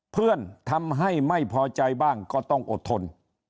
ทำให้ไม่พอใจบ้างก็ต้องอดทน